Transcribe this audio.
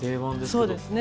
そうですね。